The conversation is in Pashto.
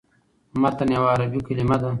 متن یوه عربي کلمه ده.